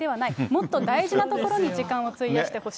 もっと大事なところに時間を費やしてほしいと。